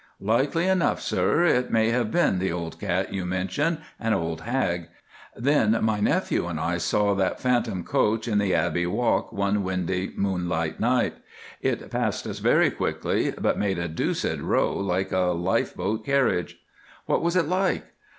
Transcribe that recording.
"Likely enough, sir, it may have been the old cat you mention, an old hag. Then my nephew and I saw that phantom coach in the Abbey Walk one windy moonlight night. It passed us very quickly, but made a deuced row, like a lifeboat carriage." "What was it like?"